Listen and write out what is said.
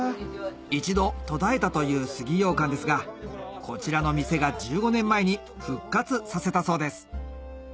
一度途絶えたという杉ようかんですがこちらの店が１５年前に復活させたそうです